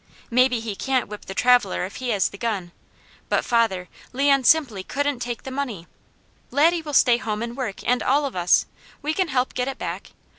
Maybe he can't whip the traveller if he has the gun, but, father, Leon simply couldn't take the money. Laddie will stay home and work, and all of us. We can help get it back.